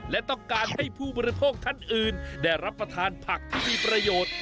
และต้องการให้ผู้บริโภคท่านอื่นได้รับประทานผักที่มีประโยชน์